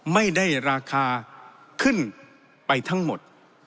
ไม่ได้ราคาขึ้นไปทั้งหมด